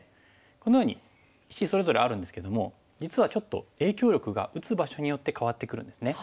このように石それぞれあるんですけども実はちょっと影響力が打つ場所によって変わってくるんですね。